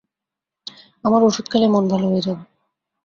আমার ওষুধ খেলেই মন ভালো হয়ে যাবে।